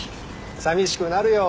さみしくなるよ。